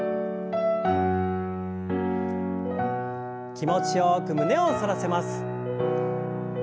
気持ちよく胸を反らせます。